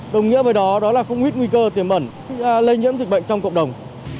đồng nghĩa với đó là không huyết nguy cơ tiềm bẩn lây nhiễm dịch bệnh trong cộng đồng